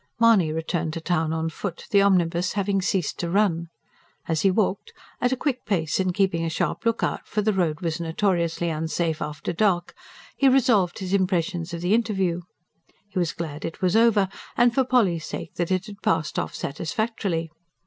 Mahony returned to town on foot, the omnibus having ceased to run. As he walked at a quick pace, and keeping a sharp look out; for the road was notoriously unsafe after dark he revolved his impressions of the interview. He was glad it was over, and, for Polly's sake, that it had passed off satisfactorily.